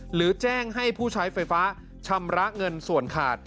หรือแจ้งให้ผู้ใช้ไฟฟ้าชำระเงินส่วนขาด